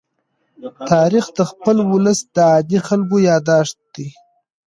تاریخ د خپل ولس د عادي خلکو يادښت دی.